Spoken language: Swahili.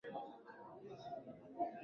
Kujikaza ndio mwendo wewe jikaze